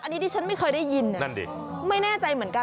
อันนี้ที่ฉันไม่เคยได้ยินนั่นดิไม่แน่ใจเหมือนกัน